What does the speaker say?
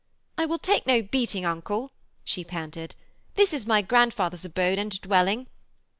'I will take no beating, uncle,' she panted; 'this is my grandfather's abode and dwelling.'